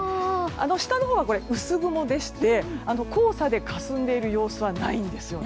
下のほうは薄雲でして黄砂でかすんでいる様子はないんですね。